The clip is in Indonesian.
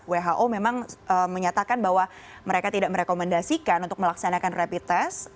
who memang menyatakan bahwa mereka tidak merekomendasikan untuk melaksanakan rapid test